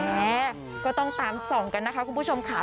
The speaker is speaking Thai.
ก็ต้องตามส่องกันนะคะคุณผู้ชมค่ะ